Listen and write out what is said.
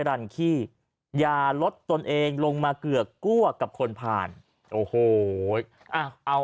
รันคี่อย่าลดตัวนเองลงมาเกละกลัวกับคนผ่านโอโหนเอา